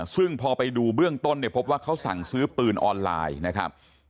ซึ่งพอไปดูเบื้องต้นเนี่ยพบว่าเขาสั่งซื้อปืนออนไลน์นะครับ